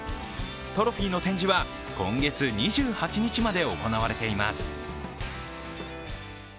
トロフィーの展示は今月２８日まで行われています。